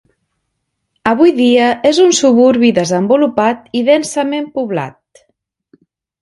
Avui dia és un suburbi desenvolupat i densament poblat.